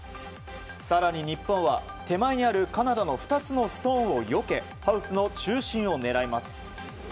更に、日本は手前にあるカナダの２つのストーンをよけハウスの中心を狙います。